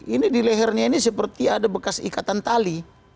ini di lehernya ini seperti ada bekas ikatan tali